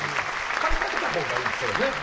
買い替えた方がいいそれねっ。